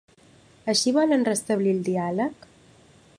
Així volen restablir el diàleg?.